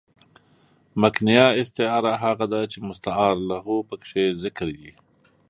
مکنیه استعاره هغه ده، چي مستعارله پکښي ذکر يي.